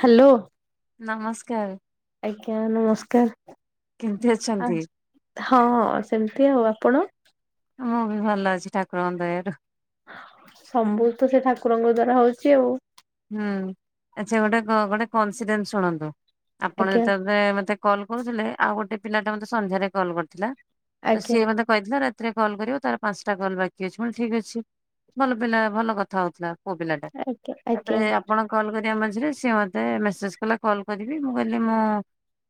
Hello. ନମସ୍କାର। ଆଜ୍ଞା ନମସ୍କାର। କେମିତି ଅଛନ୍ତି? ହଁ ହଁ ସେମିତି ଆଉ ଆପଣ? ମୁଁ ବି ଭଲ ଅଛି ଠାକୁରଙ୍କ ଦୟାରୁ। ସବୁ ତ ସେ ଠାକୁରଙ୍କ ଦ୍ଵାରା ହଉଛି ଆଉ। ହୁଁ, ଆଚ୍ଛା ଗୋଟେ ଗ ଗୋଟେ କୋନ୍ସିଡ଼େଣ୍ଟ୍ ଶୁଣନ୍ତୁ। ଆପଣ ଆଜ୍ଞା ଯେତେବ୍ଳେ ମତେ କଲ୍ କହୁଥୁଲେ, ଆଉ ଗୋଟେ ପିଲା ଟା ମତେ ସନ୍ଧ୍ୟାରେ କଲ୍ କର୍ ଥିଲା। ଆଜ୍ଞା ସିଏ ମତେ କହି ରାତିରେ କଲ୍ କରିବ, ତା'ର ପାନ୍ସଷ୍ଟା କଲ୍ ବାକି ଅଛି। କହିଲି ଠିକ୍ ଅଛି। ଭଲ ପିଲା, ଭଲ କଥା ହଉଥ୍ଲା। [unintelligible] ଆପଣ କଲ୍ କରିବା ମଝିରେ ସିଏ ମତେ ମେସେଜ୍‌ କଲା କଲ୍ କରିବି। ମୁଁ କହିଲି ମୁଁ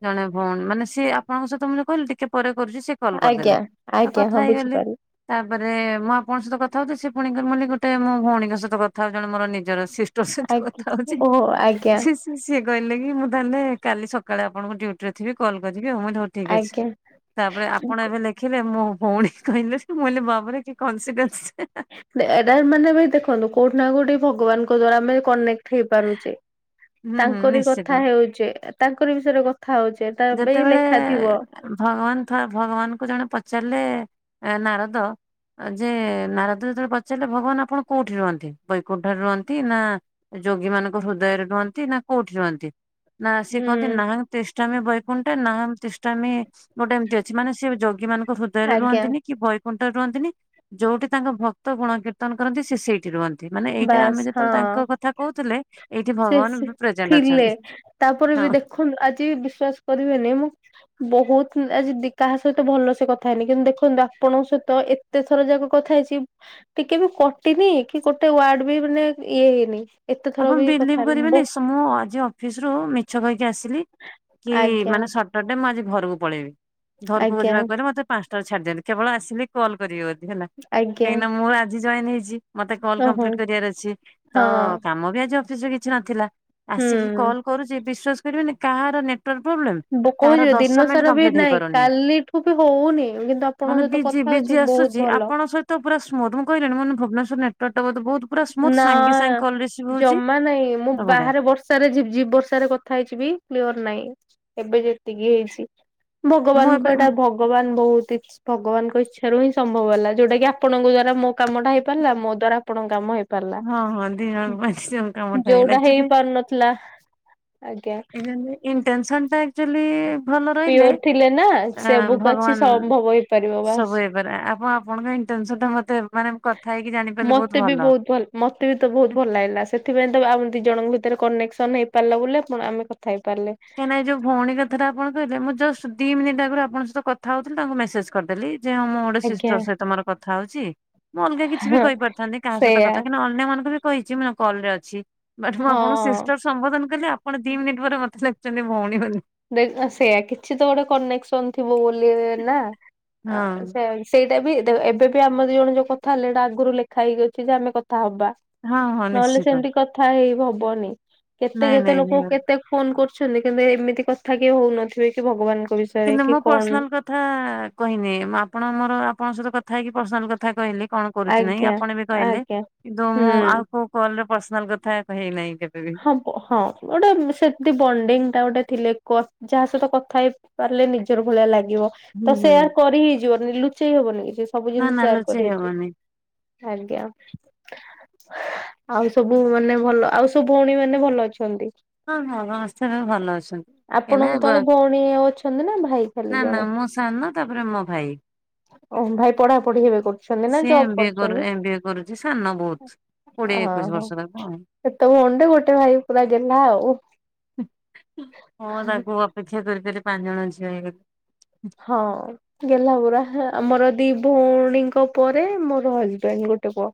ଜଣେ ଭଉ ମାନେ ସିଏ ଆପଣଙ୍କ ସଇତ ମୁଁ କହିଲି ଟିକେ ପରେ କରୁଚି। ସିଏ କଲ୍ କର୍ ଆଜ୍ଞା ଦେଲେ, ତ ଆଜ୍ଞା କଥା ହଁ ହେଇଗଲି। ବୁଝିପାରିଲି ଆଜ୍ଞା ଓହୋ ଆଜ୍ଞା [unintelligible] [inaudible] ସିଏ କଇଲେ କି ମୁଁ ତା'ହେଲେ କାଲି ସକାଳେ ଆପଣଙ୍କୁ ଡ଼ିଉଟି ରେ ଥିବି କଲ୍ କରିବି ଆଉ। ମୁଁ ଠିକ୍ ଅଛି, ଆଜ୍ଞା। ତା'ପରେ ଆପଣ ଏବେ ଦେଖିଲେ ମୋ ଭଉଣୀ କହିଲେ ମୁଁ କହିଲି ବାବରେ କି କନସିଣ୍ଡେଶ ଏଟା ମାନେ ବି ଦେଖନ୍ତୁ କୋଉଠି ନା କୋଉଠି ଭଗବାନଙ୍କ ଦ୍ଵାରା ଆମେ କନେକ୍ଟ ଉଠେଇ ପାରୁଛେ ହୁଁ ହୁଁ ତାଙ୍କରି ନିଶ୍ଚିତ। କଥା ହେଉଛେ ତାଙ୍କରି ବିଷୟରେ କଥା ହଉଚେ। ତା'ବେଇ ଯେତେବେଳେ ଲେଖା ଥିବ। ଭଗବାନ ଥ-ଭଗବାନ କୁ ଜଣେ ପଚାରିଲେ ଏ ନାରଦ ଯେ ନାରଦ ଯେତ---ଳେ ପଚାର୍ଲେ ଭଗବାନ୍‌ ଆପଣ କଉଠି ରୁହନ୍ତି? ବୈକୁଣ୍ଠ ରେ ରୁହନ୍ତି ନା ଯୋଗୀ ମାନଙ୍କ ହୃଦୟରେ ରୁଅନ୍ତି, ନା କଉଠି ରୁଅନ୍ତି? ନା ସିଏ କହନ୍ତି ହୁଁ ନାହାଂ ତିଷ୍ଟମୀ ବୈକୁଣ୍ଠ ନାହାମ୍ ତିଷ୍ଟାମି ଗୋଟେ ଏମ୍ତି ଅଛି, ମାନେ ସିଏ ଯୋଗୀ ମାନଙ୍କ ହୃଦୟରେ ଆଜ୍ଞା ରୁହନ୍ତିନି। କି ବୈକୁଣ୍ଠରେ ରୁହନ୍ତିନି, ଯଉଠି ତାଙ୍କ ଭକ୍ତ ଗୁଣ କୀର୍ତ୍ତନ କରନ୍ତି ସେଇଠି ରୁହ ମାନେ ଏଇଟା ବାସ୍ ଆମେ ଯେତ--ଳେ ହଁ। ତାଙ୍କ କଥା କହୁଥୁଲେ। ସେ ସେ ଥିଲେ, ତା'ପରେ ହଁ। ବି ଦେଖ ଆଜି ବିଶ୍ଵାସ୍ କରିବେନି ମୁଁ ବହୁତ ଆଜି କାହା ସହିତ ଭଲ ସେ କଥା ହେଇନି କିନ୍ତୁ ଦେଖନ୍ତୁ ଆପଣଙ୍କ ସହିତ ଯେତେଥର ଯାକ କଥା ହେଇଛି ଟିକେ ବି କଟିନି କି ଗୋଟେ ୱାର୍ଡ ବି ମାନେ ଇଏ ହେଇନି। ଏତେ ଥର ବି କଥା ସ ହେଲି କରିବେନି ବୋ ସ ମୁଁ ଆଜି ଅଫିସ ରୁ ମିଛ କହିକି ଆସିଲି କି ଆଜ୍ଞା ମାନେ ସ ସଟର୍ ଡେ ମୁଁ ଆଜି ଘରୁକୁ ପଳେଇବି ଘରୁକୁ ଆଜ୍ଞା ଯିବାକୁ ହେଲେ ମତେ ପାନସଟା ରେ ଛାଡଦିଅନ୍ତି କେବଳ ଆସିଲି କଲ୍ କରିବେ ବୋଧେ ହେଲା ଆଜ୍ଞା କାହିଁକିନା ମୁଁ ଆଜି ଜଏନ ହେଇଚି। ମତେ କଲ ଓହୋ କମ୍ପ୍ଲିଟ କରିବାର ଅଛି ତ ହଁ କାମ ବି ଆଜି ଅଫିସ ରେ କିଛି ନଥିଲା ହୁଁ ଆସିକି କଲ କରୁଛି। ବିଶ୍ୱାସ୍ କରିବେନି କାହାର ନେ ଟୱାର୍କ ପ୍ରୋବ୍ଲେମ୍ ବୋ କାହାର କହୁଛି ଦଶ ଦିନ ମିନିଟ୍ ସାରା ବି କମ୍ପ୍ଲିଟ୍ ହେଇ ନାଇଁ ପାରୁନି। କାଲିଠୁ ବି ହଉନି କିନ୍ତୁ ଆପଣଙ୍କ ମାନେ ସହିତ ବିଜି କଥା ବିଜି ହଉଛି ବହୁତ ଆସୁଚି ଭଲ। ଆପଣ ସ ତ ପୁରା ସ୍ମୁଥ ମୁଁ କହିଲିନି ମାନେ ଭୁବନେଶ୍ୱର ନେଟୱାରଟା ବୋଧେ ବହୁ ପୁରା ସ୍ମୁଥ ନା ସାଙ୍ଗେ ସାଙ୍ଗ୍ ଜମା ନାଇଁ ମୁଁ ବାହାରେ ବର୍ଷ ର୍ଷା ରେ ଝିପ୍ ଝିପ୍ ବର୍ଷାରେ କଥା ହେଇଚିବି କ୍ଲିଅର ନାଇଁ ଏବେ ଯେତିକି ହେଇଛି। ମୁଁ ଭଗବାନଙ୍କ ଏବେ ଏଟା ଭୋ ଭଗଵାନ ବହୁତ ଇଛ ଭଗବାନଙ୍କ ଇଚ୍ଛାରୁ ହିଁ ସମ୍ଭବ ହେଲା ଯୋଉଟା କିି ଆପଣଙ୍କ ଦ୍ଵାରା ମୋ କାମଟା ହେଇ ପାରିଲା ମୋ ଦ୍ଵାରା ଆପଣଙ୍କ କାମ ହେଇପ୍ ପାରିଲା ହଁ ହଁ ଦି ଜଣଙ୍କ ପାଇଁ ଦି ଜଣ ପାଞ୍ଚ କାମଟା ହେଇଗଲା ଯୋଉଟା ଆକ୍ଚୁଆଲି ହେଇ ପାରୁନଥିଲା ଆଜ୍ଞା! ଏଇ ଯେମତି ଇନ୍ଟେନସନ ଟା ଆକ୍ଚୁଆଲି ଭଲ ରହିଲେ ପିଓର ଥିଲେ ନା ସବୁ ଏଁ କିଛି ଭଗବାନ ସମ୍ଭବ ହେଇପାରିବ ବାସ୍। ସବୁ ହେଇ ପାରେ ଆପଣ ଆପଣ କାଇଁ ଟେନସନ ଟା ମତେ ମାନେ କଥା ହେଇକି ଜାଣିପାରିଲେ ମତେ ବହୁତ୍ ବି ଭଲ। ବହୁତ ମତେ ବି ତ ବହୁତ୍ ଭଲ ଲାଗିଲା ସେଥିପେଇଁ ତ ଆମ ଦି ଜଣଙ୍କ ଭିତେରେ କନେକ୍ସନ ହେଇପାରିଲା ବୋଲି ଆପଣ ଆମେ କଥା ହେଇପାରିଲେ। ନାଇଁ ଯୋଉ ଭଉଣୀ କଥା ଟା ଆପଣ କହିଲେ ମୁଁ ଜଷ୍ଟ୍ ଦି ମିନିଟ ଆଗରୁ ଆପଣଙ୍କ ସହିତ କଥା ହଉଥିଲି ତ ମୁଁ ମେସେଜ୍ କରିଦେଲି ଯେ ଉଁ ମୁଁ ଗୋଟେ ଆଜ୍ଞା ସିଷ୍ଟର ସହିତ ମୋର କଥା ହଉଚି ମୁଁ ଅଲଗା କିଛି ବି ହଁ କହିପାରିଥାନ୍ତି କହା ସହିତ ସେଇଆ। କଥା କିନ ଅଲ ଅନ୍ୟ ମାନଙ୍କୁ ବି କହିଚି ମୁଁ ଏନା କଲ୍ ରେ ଅଛି। ବଟ ମୁଁ ଆପଣ ହଁ ସିଷ୍ଟର ସ ସମ୍ବୋଧନ କଲେ ଆପଣ ଦି ମିନିଟ୍ ପରେ ମତେ ଲେଖୁଚନ୍ତି ଭଉଣୀ ବୋଲି। ଦେଖ ନା ସେଇଆ କିଛି ତ ଗୋଟେ କନେକ୍ସନ ଥିବ ବୋଲି ନା ହଁ ଅଁ ସେୟା ବି ସେଇଟା ବି ଦେଖ ଏବେ ବି ଆମେ ଦି ଜଣ ଯୋଉ କଥା ହେଲେ ଏଇଟା ଆଗୁରୁ ଲେଖା ହେଇକି ଅଛି ଯେ ଆମେ କଥା ହବା। ହଁ ହଁ ନହେଲେ ନିଶ୍ଚିତ। ସେମିତି କଥା ହେଇ ବି ହବନି କେତେ ନାଇଁ କେତେ ନାଇଁ ଲୋକଙ୍କୁ ନିଅ କେତେ ଫୋନ କରୁଛନ୍ତି କିନ୍ତୁ ଏମିତି କଥା କିଏ ହଉନଥିବେ କି ଭଗବାନଙ୍କ ବିଷୟ କିନ୍ତୁ ମୁଁ ପର୍ସନାଲ କଥା ଆ କହିନି ଆପଣ ମୋର ଆପଣଙ୍କ ସହିତ କଥା ହେଇକି ପର୍ସନାଲ କଥା କହିଲି। କଣ କରୁଚି ନାଇଁ ଆଜ୍ଞା ଆପଣ ବି କହିଲେ ଆଜ୍ଞା କିନ୍ତୁ ହୁଁ। ମୁଁ ଆଉ କୋଉ କଲ୍ ରେ ପର୍ସନାଲ୍ କଥା କହି ନାଇଁ କେବେ ବି। ହବ ହଁ ଗୋଟେ ଉଁ ସେମତି ବଣ୍ଡିଙ୍ଗ ଟା ଗୋଟେ ଥିଲେ କଥା ଯାହା ସହିତ କଥା ହେଇ ପାରିଲେ ନିଜର ଭଳିଆ ଲାଗିବ। ହୁଁ ତ ହୁଁ ସେୟାର କରିହି ହେଇଯିବନି ଲୁଚେଇ ହବନି କିଛି ସେ ସବୁ ନା ଜିନିଷ ନା ସେୟାର ଲୁଚେଇ କରି ହେଇଯିବ। ହବନି ଆଜ୍ଞା! ହେ ଆଉ ସବୁ ମାନେ ଭଲ ଆଉ ସ ତୋ ଭୋଉଣୀ ମାନେ ଭଲ ଅଛନ୍ତି। ହଁ ହଁ ହଁ ସେମାନେ ଭଲ ଅଛନ୍ତି। ଗେଲ୍ହା ଆପଣଙ୍କ ହେବ ତଳେ ଭଉଣୀ ଅଛନ୍ତି ନା ଭାଇ ଖାଲି ନା ନା ଜଣେ? ମୁଁ ସାନ ତାପରେ ମୋ ଭାଇ। ଓହୋ ଭାଇ ପଢାପଢି ଏବେ କରୁଛନ୍ତି ନା ସିଏ ଜବ୍ ଏମ୍ ବି ଏ କରୁ କରୁଛନ୍ତି? ଏମ୍ ବି ଏ କରୁଛି ସାନ ବହୁତ୍। କୋଡି଼ଏ ଏକୋଇଶ ବର୍ଷ ତାକୁ ଆଉ। ତମ ଅଣ୍ଡେ ଗୋଟେ ଭାଇ ପୁରା ଗେଲ୍ହା ଆଉ। ହଁ ତାକୁ ଅପେକ୍ଷା କରିକରି ପାଆଁ ଜଣ ଝିଅ ହେଇଗଲେ। ହଁ ଗେଲ୍ହା ପୁରା ହଁ ଆମର ଦି ଭଉଣୀଙ୍କ ପରେ ମୋର ହଜବେଣ୍ଟ ଗୋଟେ ପୁଅ।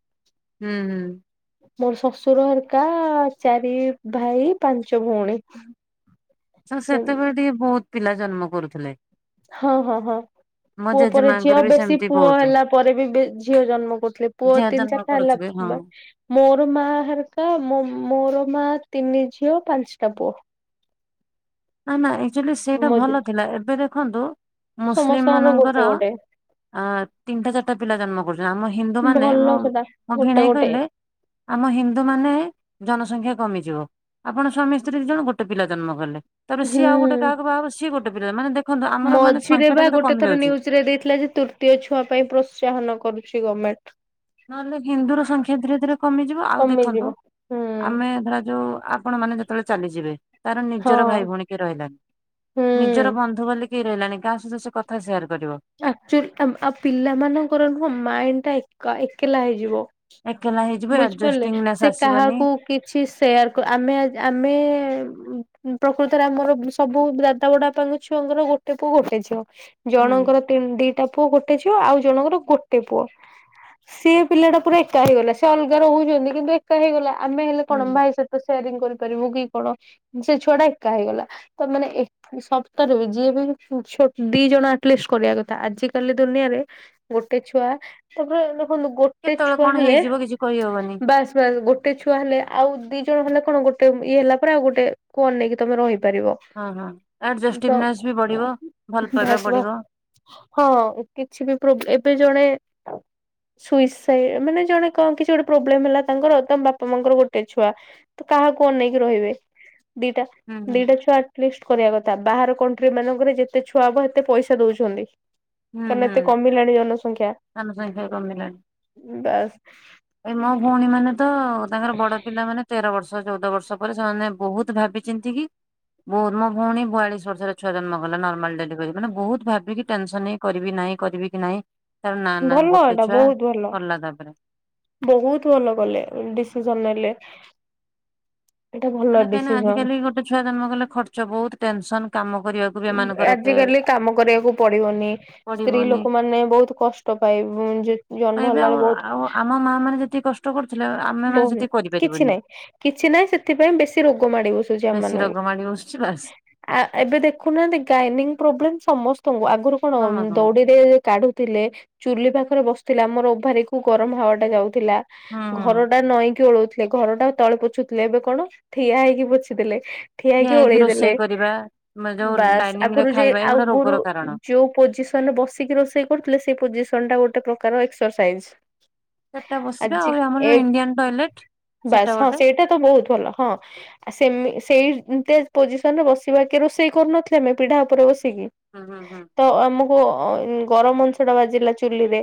ହୁଁ ହୁଁ। ମୋର ଶଶୁର ଘରିକା ଚାରି ଭାଇ ପାଞ୍ଚ ଭଉଣୀ। ହଁ ସେତେବେଳେ ଟିକେ ବହୁତ୍ ପିଲା ଜନ୍ମ କରୁଥିଲେ। ହଁ ହଁ ହଁ। ମୋ ପୁଅ ପରେ ଝିଅ ଜେଜେମାଙ୍କର ବି ବେଶୀ ସେମିତି ପୁଅ ବହୁତ ହେଲା ପରେ ବି ବେ ଝିଅ ଜନ୍ମ କରୁଥିଲେ ପୁଅ ଝିଅ ତିନି ଜନ୍ମ ଚାରଟା ହେଲା କରୁଥିବେ ହଁ। ଵଟ୍ ମୋର ମା ହରେକା ମୋର ମା ତିନି ଝିଅ ପାଞ୍ଚଟା ପୁଅ [inaudible] ନା ନା ଆକ୍ଚୁଆଲି ସେଇଟା ମୋ ଜେ ଭଲ ଥିଲା ଏବେ ଦେଖନ୍ତୁ ମୁସଲିମ୍ ସମସ୍ତଙ୍କର ମାନଙ୍କର ଗୋଟେ ଗୋଟେ ଅଁ ତିନିଟା ଚାରିଟା ପିଲା ଜନ୍ମ କରୁଛନ୍ତି ଆମ ହିନ୍ଦୁ ମାନେ ଭଲ ମୋ ସେଟା ମୋ ଗୋଟେ ଭିଣେଇ ଗୋଟେ କହିଲେ ଆମ ହିନ୍ଦୁ ମାନେ ଜନସଂଖ୍ୟା କମିଯିବ। ଆପଣ ସ୍ୱାମୀ ସ୍ତ୍ରୀ ଦି ଜଣ ଗୋଟେ ପିଲା ଜନ୍ମ କଲେ, ତାପରେ ସିଏ ହୁଁ। ଆଉ ଗୋଟେ କହାକୁ ବାହାହବ ସିଏ ଗୋଟେ ପିଲା ମାନେ ଦେଖନ୍ତୁ ଆମର ମାନେ ମଝିରେ ସଂଖ୍ୟା ଟା ବା କେତେ ଗୋଟେ କମି ଥର ଯାଉଛି। ନ୍ୟୁଜ ରେ ଦେଇଥିଲା ଯେ ତୁର୍ ତତୀୟ ଛୁଆ ପାଇଁ ପ୍ରୋତ୍ସାହନ କରୁଛି ଗଭର୍ଣ୍ଣମେଣ୍ଟ। ନହେଲେ ହିନ୍ଦୁର ସଂଖ୍ୟା ଧୀରେ ଧୀରେ କମିଯିବ ଆଉ କମିଯିବ ଦେଖନ୍ତୁ। ହୁଁ ଆମେ ଧରା ଯୋଉ ଆପଣ ମାନେ ଯେତେବେଳେ ଚାଲିଯିବେ ତାର ହଁ ନିଜର ଭାଇ ଭଉଣୀ କିଏ ରହିଲାନି ନିଜର ହୁଁ। ବନ୍ଧୁ ବୋଲି ଏ ରହିଲାଣି କାହା ସହିତ ସେ କଥା ସେୟାର କରିବ? ଆକଚୁଆଲି ଆଉ ପିଲାମାନଙ୍କର ନୁହଁ ମାଇଣ୍ଡ ଟା ଏକ ଏକଲା ହେଇଯିବ। ଏକଲା ହେଇଯିବ ବୁଝିପାରିଲେ ଆଡଜଷ୍ଟିଙ୍ଗନେସ୍ ସେ ଆସିବନି କାହାକୁ କିଛି ସେୟାର, ଆମେ ଆମେ ପ୍ରକୃତରେ ଆମର ସବୁ ଦାଦା ବଡ଼ାବାପାଙ୍କୁ ଛୁଅଙ୍କର ଗୋଟେ ପୁଅ ଗୋଟେ ଝିଅ ହୁଁ ଜଣଙ୍କର ଦିଟା ପୁଅ ଗୋଟେ ଝିଅ ଆଉ ଜଣଙ୍କର ଗୋଟେ ପୁଅ ସିଏ ପିଲା ଟା ପୁରା ଏକା ହେଇଗଲା, ସେ ଅଲଗା ରହୁଛନ୍ତି କିନ୍ତୁ ଏକା ହେଇଗଲା ଆମେ ହେଲେ କଣ ହୁଁ। ଭାଇ ସତ ସେୟାରିଂ କରିପାରିବୁ କି କଣ, ସେ ଛୁଆ ଟା ଏକା ହେଇଗଲା। ତ ମାନେ ସପ୍ତାହରେ ବି ଯିଏ ବି ଦି ଜଣ ଆଟଲିଷ୍ଟ କରିବା କଥା ଆଜିିକାଲି ଦୁନିଆରେ ଗୋଟେ ଛୁଆ ତାପରେ ଦେଖନ୍ତୁ ଗୋ ଗୋଟେ କେତେବେଳେ ଛୁଆ କଣ ହେଲେ ହେଇଯିବ କିଛି କହିହବନି ବାସ୍ ବାସ୍ ଗୋଟେ ଗୋଟେ ଛୁଆ ହେଲେ, ଆଉ ଦି ଜଣ ହେଲେ କଣ, ଗୋଟେ ଇଏ ହେଲା ପରେ ଆଉ ଗୋଟେ କୁ ଅନେଇକି ତମେ ରହିପାରିବ। ହଁ ହଁ ତ ଆଡଜେଷ୍ଟିଭନେସ ବି ବଢିବ ଭଲ ପାଇବା ବାସ୍ ବା ବଢିବ। ହଁ କିଛି ବି ପ୍ରୋବ୍ ଏବେ ଜଣେ ସୁଇସାଇ ମାନେ ଜଣେ କଣ କିଛି ଗୋଟେ ପ୍ରୋବ୍ଲେମ ହେଲା ତାଙ୍କର, ତାଙ୍କ ବାପା ମାଙ୍କର ଗୋଟେ ଛୁଆ ତ କାହାକୁ ଅନାଇକି ରହିବେ ଦିଟା ହୁଁ ହୁଁ ଦିଟା ଛୁଆ ଆଟଲିଷ୍ଟ କରିବା କଥା ବାହାର କଣ୍ଟ୍ରି ମାନଙ୍କରେ ଯେତେ ଛୁଆ ହବ ଏତେ ପଇସା ଦଉଛନ୍ତି। ହୁଁ କାର ହୁଁ ଏତେ କମିଲାଣି ଜନସଂଖ୍ୟା, ଜନସଂଖ୍ୟା ବାସ୍ ଏଇ ମୋ ଭଉଣୀ ମାନେ ତ ତାଙ୍କର ବଡ ପିଲା ମାନେ ତେର ବର୍ଷ ହ ଚଉଦ ବର୍ଷ ପରେ ସେମାନେ ବହୁତ ଭାବି ଚିନ୍ତି କି? ବହୁତ ମୋ ଭଉଣୀ ବୟାଲିଶ ବର୍ଷ ରେ ଛୁଆ ଜନ୍ମ କଲା ନର୍ମାଲ ଡେଲିଭରି ମାନେ ବହୁତ ଭାବିକି ଟେନସନ ହେଇ କରିବି ନାହିଁ, କରିବି କି ନହିଁ, ତାର ନା ନା ଭଲ ଗୋଟେ ଏଇଟା ଛୁଆ ବହୁତ ଭଲ। ସାରିଲା ତାପରେ ବହୁତ ଭଲ କଲେ ଡିସିଜନ ନେଲେ। ଏଇଟା ଭଲ ମାନେ କାହିଁକିନା ଡିସିଜନ। ଆଜିକାଲି ଗୋଟେ ଛୁଆ ଜନ୍ମ କଲେ ଖର୍ଚ୍ଚ ବହୁତ ଟେସ କାମ କରିବାକୁ ବି ଏମାନଙ୍କର ଏତେ ଆଜିକାଲି କାମ କରିବାକୁ ପଡିବନି ସ୍ତ୍ରୀ ପଡିବନି ଲୋକମାନେ ବହୁତ କଷ୍ଟ ପାଇ ଜନ୍ମ କହିବେ ହେଲା ବେଳେ ଆଉ ବହୁତ ଆଉ ଆମ ମା ମାନେ ଯେତିକି କଷ୍ଟ କରୁଥିଲେ ଆମେ ମାନେ ସେତିକି କିଛି କରିପାରିବୁନି। ନାହିଁ କିଛି ନାହିଁ ସେଥିପାଇଁ ବେଶୀ ରୋଗ ମାଡି ବସୁଛି ବେଶୀ ଆମମାନଙ୍କୁ ରୋଗ ମାଡି ବସୁଛି ବାସ୍ ଆ ଏବେ ଦେଖ ଦେଖୁନାହାନ୍ତି ଗାଇନିଙ୍ଗ ପ୍ରବଲମ ସମସ୍ତଙ୍କୁ ଆଗରୁ କଣ ସମସ୍ତଙ୍କୁ ଦଉଡିରେ କାଢୁଥିଲେ ଚୁଲି ପାଖରେ ବସିଥିଲା, ଆମର ଓଭାରି କୁ ଗରମ ହାୱା ଟା ଯାଉଥିଲା ହୁଁ ହୁଁ ଘର ଟା ନଈକି ଓଳଉଥିଲା ଘର ଟା ତଳେ ପୋଛୁଥିଲେ ଏବେ କଣ ଠିଆ ହେଇକି ପୋଛି ଦେଲେ ଠିଆ ହେଇକି ଓଳେଇ ଦେଲେ ଯୋଉ ବାସ୍ ଡାଇନିଂ ରେ ଆଗରୁ ଯ ଖାଇବା ଏଗୁଡା ଆଗରୁ ରୋଗର କାରଣ ଯୋଉ ପୋଜିସ ବସିକି ରୋଷେଇ କରୁଥିଲେ ସେ ପୋଜିସନ ଟା ଗୋଟେ ପ୍ରକାର ଏକ୍ସସାଇଜ। ସେଟା ବସିବେ ଆଉ ଆମର ଯୋଉ ଇଣ୍ଡିଆନ ଟଏଲେଟ ବାସ୍ ସେଟା ହଁ ଗୋଟେ। ସେଇଟା ବହୁତ ଭଲ ହଁ ସେମି ସେମିତୀୟ ପୋସିସନ ବସିବା କି ରୋଷେଇ ସେଇ କରୁନଥିଲେ ଆମେ ପିଢା ଉପରେ ବସିକି? ହଁ ହଁ ହଁ ତ ଆମକୁ ଗରମ ଅଂଶ ଟା ବାଜିଲା ଚୁଲିରେ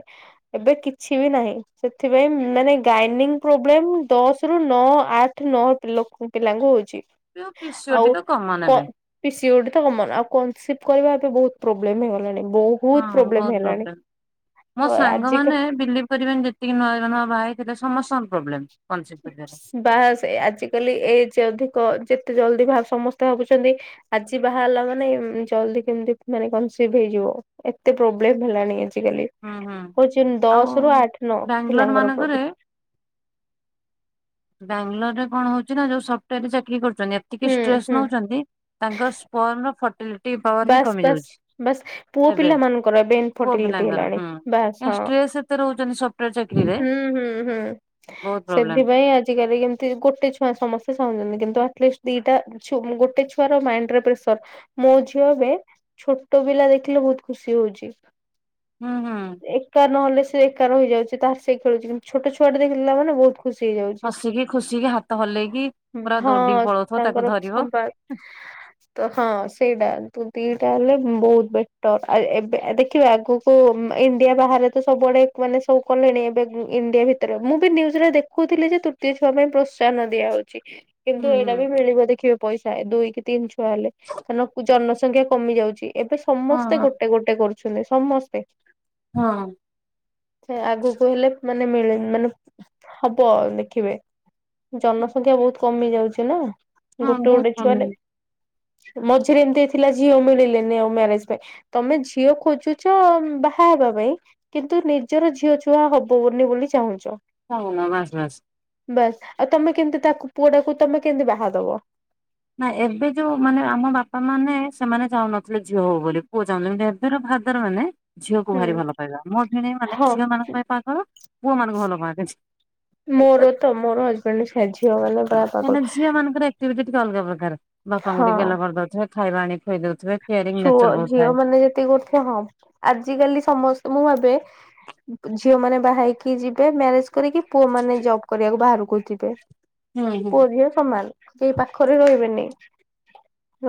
ଏବେ କିଛି ବି ନାହିଁ ସେଥିପାଇଁ ମାନେ ଗାଇନିଙ୍ଗ ପ୍ରୋବ୍ଲେମ ଦଶ ରୁ ନଅ ଆଠ ଠି ନଅ ଲୋକ ପିଲାଙ୍କୁ ହଉଛି। ଯୋଉ ପିସିଓଡି ଆଉ ତ କମନ ଏବେ କ୍- ପିସିଓଡି ତ କମନ୍। ଆଉ କନସିପ୍ କରିବା ତ ବହୁତ ପ୍ରୋବ୍ଲେମ ହେଇଗଲାଣି। ବହୁତ୍- ହଁ ବହୁତ ପ୍ରବ୍ଲେମ୍। ମୋ ତ ସାଙ୍ଗ ଆଜିକା ମାନେ ବିଲିଭ୍ କରିବେନି ଯେତ୍ ତିକି ନୂଆ ନୂଆ ବାହା ହେଇଥିଲେ ସମସ୍ତଙ୍କ ପ୍ରୋବ୍ଲେମ୍, କୋନସିଭ କରିବାରେ। ବାହା ସେ ଆଜିକାଲି ଏଜ୍ ଅଧିକ ଯେତେ ଜଲଦି ଭାବ୍ ସମସ୍ତେ ଭାବୁଛନ୍ତି ଆଜି ବାହାହେଲା ମାନେ ଜଲଦି କେମିତି ମାନେ କନ୍ସିଭ୍ ହେଇଯିବ। ଏତେ ପ୍ରୋବ୍ଲେମ ହେଲାଣି ଆଜିକାଲି। ହୁଁ ହୁଁ ହଉଛି ନ ଆଉ ଦଶ ରୁ ଆଠ ନଅ ବାଙ୍ଗାଲୋର ପିଲାଙ୍କର ମାନଙ୍କରେ ପ୍ରଗ ବାଙ୍ଗାଲୋରରେ କଣ ହଉଛି ନା ଯୋଉ ସଫ୍ଟୱେର୍ ରେ ଚାକିରି କରୁଛନ୍ତି ଏତିକି ହୁଁ ଷ୍ଟ୍ରେସ୍ ହୁଁ ନଉଛନ୍ତି ତାଙ୍କର ସ୍ପର୍ନ ର ଫଟ୍ ବାସ୍ ବାସ୍ ବାସ୍ ପୁଅ ଏବେ ପିଲା ମାନଙ୍କର ଏବେ ପୁଅ ଇନ୍ଫର୍ଟିଲିଟି ପିଲାଙ୍କର ହେଲାଣିି। ହୁଁ। ବାସ ଏ ଷ୍ଟ୍ରେସ ଏତେ ରହୁଛନ୍ତି ସଫ୍ଟୱେର ହଁ ଚାକିରିରେ ହୁଁ ହୁଁ ହଁ। ବହୁତ ପ୍ରୋବ୍ଲେମ। ସେଥିପାଇଁ ଆଜିକାଲି କେମିତି ଗୋଟେ ଛୁଆ ସମସ୍ତେ ଚାହୁଁଛନ୍ତି କିନ୍ତୁ ଆଟଲିଷ୍ଟ ଦିଟା ଛୁମ୍ ଗୋଟେ ଛୁଆର ମାଇଣ୍ଡ ରେ ପ୍ରେସର ମୋ ଝୁ- ଅ ଏବେ ଛୋଟ ପିଲା ଦେଖିଲେ ବହୁତ ଖୁସି ହଉଛି। ହୁଁ ହୁଁ। ଏକା ନହେଲେ ସେ ଏକା ରହିଯାଉଛି ତାର ସେ ଖେଳୁଛି କିନ୍ତୁ ଛୋଟ ଛୁଆଟେ ଦେଖିଲା ମାନେ ବହୁତ୍ ଖୁ- ଖୁସି ହେଇଯାଉଛି ହସିକି ଖୁସିକି ହାତ ହଲେଇକି ହୁଁ ପୁରା ଦୌଡିକି ହଁ ପଳଉଥିବ ତାକୁ ତାଙ୍କର ଧରିବ। ସମ୍ବାଦ ତ ହଁ ସେଇଟା ପୁ ଦିଇଟା ହେଲେ ବହୁତ ବେଟର୍ ଆ ଏବେ ଦେଖିବା ଆଗକୁ ଇଣ୍ଡିଆ ବାହାରେ ତ ସବୁଆଡ଼େ କମାନେ ସବୁ କଲେଣି ଏବେ ଇଣ୍ଡିଆ ଭିତରେ ମୁଁ ବି ନ୍ୟୁଜରେ ଦେଖୁଥିଲି ଯେ ତୃତୀୟ ଛୁଆ ପାଇଁ ପ୍ରୋତ୍ସାନ ଦିଆହଉ ଛି କିନ୍ତୁ ହୁଁ ହୁଁ ଏଇଟା ବି ମିଳିବ ଦେଖିବେ ପଇସା ଦୁଇ କି ତିନି ଛୁଆ ହେଲେ କାରଣ କୁ ଜନ ସ ଖ୍ୟା କମି ଯାଉଛି ଏବେ ହଁ ସମସ୍ତେ ହଁ ଗୋଟେ ଗୋଟେ କରୁଛନ୍ତି ସମସ୍ତେ। ହଁ। ସେ ଆଗକୁ ହେଲେ ମାନେ ମିଳେମ୍ ମାନେ ହବ ଦେଖିବେ।। ଜନସଂଖ୍ୟା ବହୁତ କମି ଯାଉଛି ନା ହଁ ଗୋଟେ ବହୁତ ଗୋଟେ କମ ଛୁଆରେ। ମଝିରେ ଏମିତି ହେଇଥି ଥିଲା ଝିଅ ମିଳିଲେନି ଆଉ ମ୍ୟାରେଜ ପାଇଁ ତମେ ଝିଅ ଖୋଜୁଛ ବାହା ହେବା ପାଇଁ କିନ୍ତୁ ନିଜର ଝିଅ ଛୁଆ ହବବନି ବୋଲି ଚାହୁଁଛ। ହଉନ ବାସ୍ ବାସ୍। ବାସ୍ ଆଉ ତମେ କେମିତି ତାକୁ ପୁଅ ଟାକୁ ତମେ କେମିତି ବାହାଦବ। ନା ଏବେ ଯୋଉ ମାନେ ଆମ ବାପା ମାନେ ସେମାନେ ଚାହୁଁନଥିଲେ ଝିଅ ହଉ ବୋଲି ପୁଅ ଚାହୁଁଥିଲେ କି ହେତ୍ ର ଭାଦର ମାନେ ଝିଅକୁ ହୁଁ ଭାରି ଭଲ ପାଇବା ମୋ ଭିଣେଇ ମାନେ ହଁ ଝିଅ ମାନଙ୍କ ପାଇଁ ପାଗଳ ପୁଅ ମାନଙ୍କୁ ଭଲ ପାଆନ୍ତିନି। ମୋର ତ ମୋର ହଜବେଣ୍ଡ ସେଇଆ ଝିଅ ମାନେ ପା କାହିଁ ନା ଝିଅ ମାନଙ୍କର ଆକ୍ଟିଭିଟି ଟିକେ ଅଲଗା ପ୍ରକାର ବାପାଙ୍କୁ ହଁ ଟିକେ ଗେଲ କରିଦଉଥିବେ ଖାଇବା ଆଣିକି ଖୁଆଇ ଦଉଥିବେ। କେୟାରିଂ ଛୁଅ ନେଚର ବହୁତ ଝିଅ ଥାଏ। ମାନେ ଯେତିକି କରୁଥିବେ ହଁ ଆଜି କାଲି ସମସ୍ତେ ମୁଁ ଭାବେ ଝିଅ ମାନେ ବାହାହେଇକି ଯିବେ ମ୍ୟାରେଜ କରିକି ପୁଅ ମାନେ ଜବ୍ କରିବାକୁ ବାହାରକୁ ଯିବେ। ହୁଁ ହୁଁ। ପୁଅ ଝିଅ ସମାନ। କେହି ପାଖରେ ରହିବେନି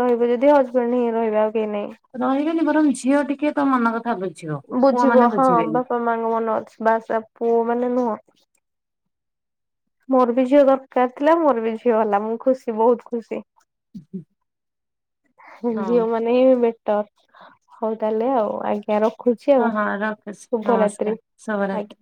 ରହିବେ ଯଦି ହଜବେଣ୍ଡ୍ ହିଁ ରହିବେ ଆଉ କେହି ନାଇଁ। ରହିବେନି ବରଂ ଝଅ ଟିକେ ତୋ ମନ କଥା ବୁଝ ବୁଝିବ ହଁ ବାପା ମାଙ୍କ ମନ ଅଛି ବାସା ପୁଅ ମାନେ ନୁହଁ। ମୋର ବି ଝିଅ ଦରକାର ଥିଲା ମୋର ବି ଝିଅ ହେଲା ମୁଁ ଖୁସି ବହୁତ୍ ଖୁସି। [inaudible] ହୁଁ ହଁ। ଝିଅ ମାନେ ନେ ହିଁ ବେଟର ହଉ ତାହେଲେ ଆଉ ଆଜ୍ଞା ରଖ୍- ଖୁଛି ହଁ ଆଉ ହଁ ରଖୁଛି ନମସ୍କାର ଶୁଭରାତ୍ରି ଶୁଭରାତ୍ରି। ଆଜ୍ଞା।